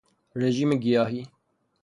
رژیم گیاهی